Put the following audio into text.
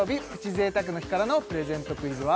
贅沢の日からのプレゼントクイズは？